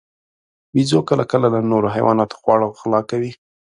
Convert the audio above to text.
بیزو کله کله له نورو حیواناتو خواړه غلا کوي.